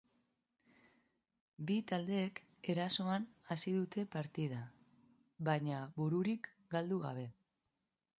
Bi taldeek erasoan hasi dute partida, baina bururik galdu gabe.